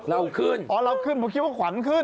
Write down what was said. เราขึ้นอ๋อเราขึ้นผมคิดว่าขวัญขึ้น